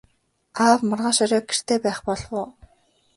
Аав маргааш орой гэртээ байх болов уу?